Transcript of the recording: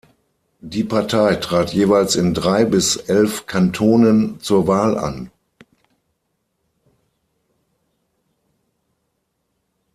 Die Partei trat jeweils in drei bis elf Kantonen zur Wahl an.